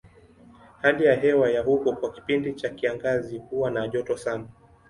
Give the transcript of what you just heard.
Hali ya hewa ya huko kwa kipindi cha kiangazi huwa na joto sana.